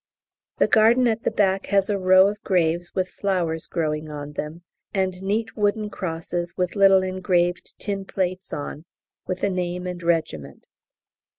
The garden at the back has a row of graves with flowers growing on them, and neat wooden crosses with little engraved tin plates on, with the name and regiment.